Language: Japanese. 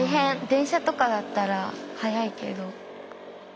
電車とかだったら速いけど。